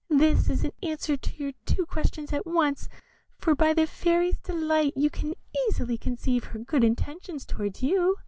This is an answer to your two questions at once, for by the Fairy's delight you can easily conceive her good intentions towards you."